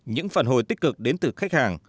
những phản hồi tích cực đến từ khách hàng